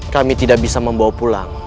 kami tidak bisa membawa pulang